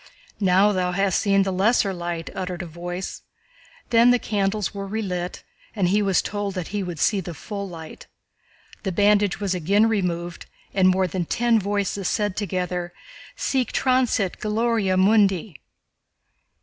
"Now thou hast seen the lesser light," uttered a voice. Then the candles were relit and he was told that he would see the full light; the bandage was again removed and more than ten voices said together: "Sic transit gloria mundi."